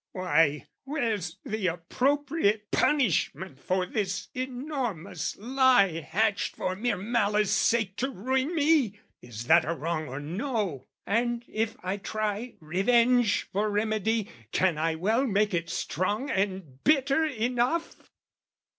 "Why, where's the appropriate punishment for this "Enormous lie hatched for mere malice' sake "To ruin me? Is that a wrong or no? "And if I try revenge for remedy, "Can I well make it strong and bitter enough?"